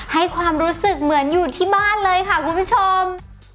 ให้ความรู้สึกเหมือนอยู่ที่บ้านเลยค่ะคุณผู้ชม